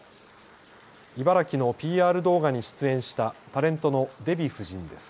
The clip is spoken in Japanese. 茨城のＰＲ動画に出演したタレントのデヴィ夫人です。